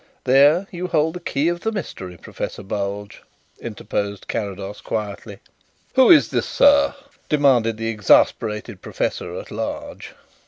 "There you hold the key of the mystery, Professor Bulge," interposed Carrados quietly. "Who is this, sir?" demanded the exasperated professor at large.